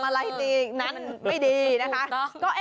อย่าไปทำอะไรนั้นไม่ดีนะคะ